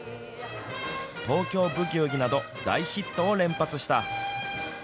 東京ブギウギなど大ヒットを連発した。